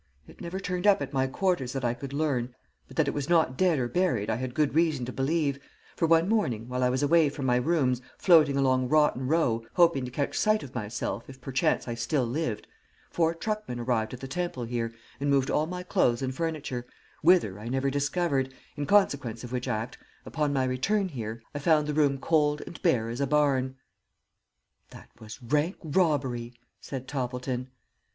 It never turned up at my quarters that I could learn, but that it was not dead or buried I had good reason to believe; for one morning, while I was away from my rooms floating along Rotten Row, hoping to catch sight of myself if perchance I still lived, four truckmen arrived at the Temple here and moved all my clothes and furniture, whither I never discovered, in consequence of which act, upon my return here, I found the room cold and bare as a barn." "That was rank robbery," said Toppleton.